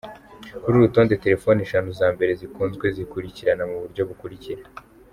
Kuri uru rutonde, telefone eshanu za mbere zikunzwe zikurikirana mu buryo bukurikira:.